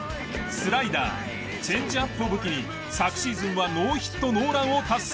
スライダーチェンジアップを武器に昨シーズンはノーヒットノーランを達成。